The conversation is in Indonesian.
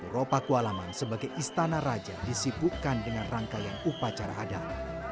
ropakualaman sebagai istana raja disibukkan dengan rangkaian upacara adat